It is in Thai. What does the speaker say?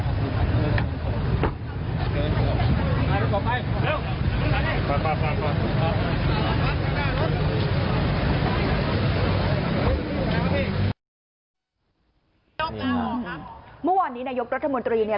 ท่านต่อสุดท้ายจากสู่คนไทยนายก็มีเหตุผลที่จะต้องการแพลนของนายเรา